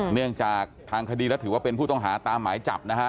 เนื่องจากทางคดีแล้วถือว่าเป็นผู้ต้องหาตามหมายจับนะฮะ